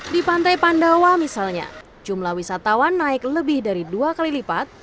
di pantai pandawa misalnya jumlah wisatawan naik lebih dari dua kali lipat